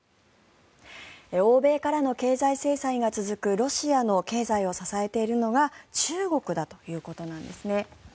欧米からの経済制裁が続くロシアの経済を支えているのが中国だということなんですね。